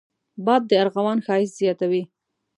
باد د ارغوان ښايست زیاتوي